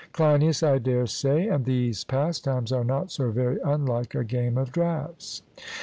CLEINIAS: I dare say; and these pastimes are not so very unlike a game of draughts.